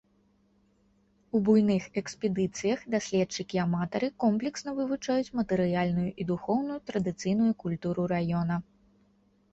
У буйных экспедыцыях даследчыкі-аматары комплексна вывучаюць матэрыяльную і духоўную традыцыйную культуру раёна.